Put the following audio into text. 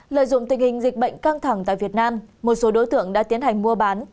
lợi dụng tình hình dịch bệnh căng thẳng tại việt nam một số đối tượng đã tiến hành mua bán